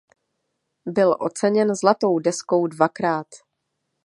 Byl oceněn zlatou deskou dvakrát.